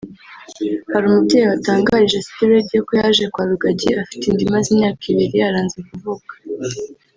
Hari umubyeyi watangarije City Radio ko yaje kwa Rugagi afite inda imaze imyaka ibiri yaranze kuvuka